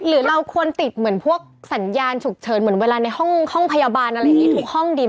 หรือเราควรติดเหมือนพวกสัญญาณฉุกเฉินเหมือนเวลาในห้องพยาบาลอะไรอย่างนี้ทุกห้องดิน